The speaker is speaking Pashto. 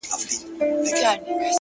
ته لږه ایسته سه چي ما وویني،